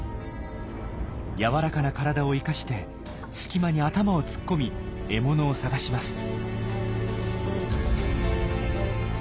柔らかな体を生かして隙間に頭を突っ込み獲物を探します。